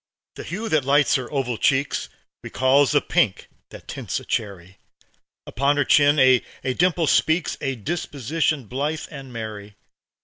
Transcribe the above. The hue that lights her oval cheeks Recalls the pink that tints a cherry; Upon her chin a dimple speaks, A disposition blithe and merry.